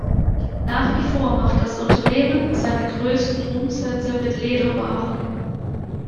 Nach wie vor macht das Unternehmen seine größten Umsätze mit Lederwaren.